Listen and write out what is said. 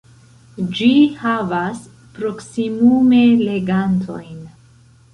Ĝi havas proksimume legantojn.